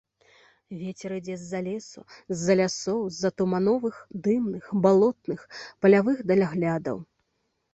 Вецер ідзе з-за лесу, з-за лясоў, з-за тумановых, дымных, балотных, палявых даляглядаў.